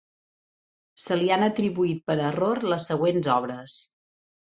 Se li han atribuït per error les següents obres.